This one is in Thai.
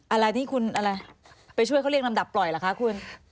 อะไรที่คุณอะไรไปช่วยเขาเรียกลำดับปล่อยเหรอคะคุณ